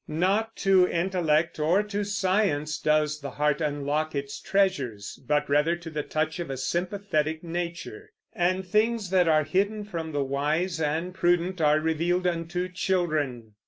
Not to intellect or to science does the heart unlock its treasures, but rather to the touch of a sympathetic nature; and things that are hidden from the wise and prudent are revealed unto children.